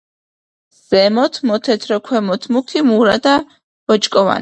ზემოთ მოთეთრო, ქვემოთ მუქი მურა და ბოჭკოვანი.